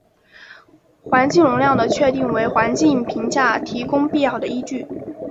环境容量的确定为环境评价提供必要的依据。